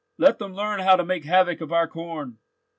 "Let them learn how to make havoc of our corn."